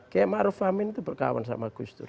km aruf amin itu berkawan sama kustur